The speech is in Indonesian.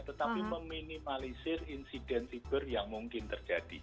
tetapi meminimalisir insiden siber yang mungkin terjadi